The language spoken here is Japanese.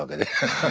ハハハ。